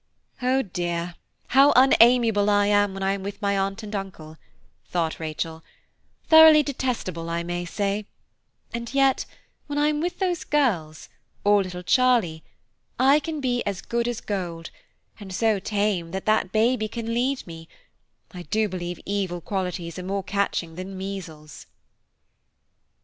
"Oh dear! how unamiable I am when I am with my uncle and aunt," thought Rachel, "thoroughly detestable I may say, and yet when I am with those girls, or little Charlie, I can be as good as gold, and so tame that that baby can lead me; I do believe evil qualities are more catching than measles."